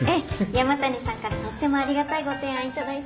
山谷さんからとってもありがたいご提案頂いて。